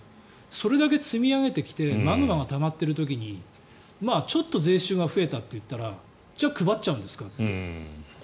それだけ積み上げてきてマグマがたまっている時にちょっと税収が増えたといったらじゃあ配っちゃうんですかって。